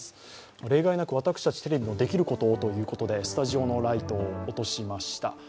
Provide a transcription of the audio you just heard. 例外なく私たちテレビもできることをということでスタジオのライトを落としました。